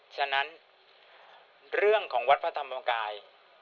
ฉะนั้นเรื่องของวัดพระธรรมกาย